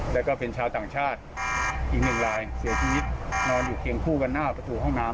แล้วก็เป็นชาวต่างชาติอีก๑ราย